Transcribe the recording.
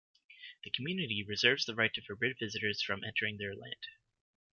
The community reserves the right to forbid visitors from entering their land.